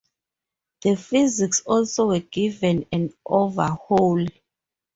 The physics also were given an overhaul.